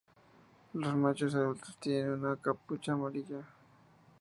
Los machos adultos tienen una capucha amarilla.